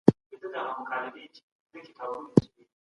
که ښوونځي ډېر سي پوهه به پراخه سي.